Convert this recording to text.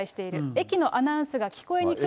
駅のアナウンスが聞こえにくいと。